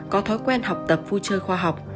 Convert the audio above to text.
có thói quen học tập vui chơi khoa học